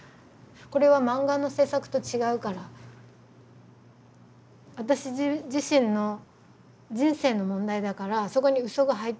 これは漫画の制作と違うから私自身の人生の問題だからそこに嘘が入ってはいけない。